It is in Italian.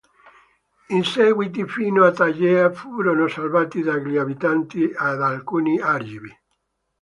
Inseguiti fino a Tegea, furono salvati dagli abitanti e da alcuni Argivi.